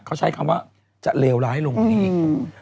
เขาใช้คำว่าจะเลวร้ายลงไปอีก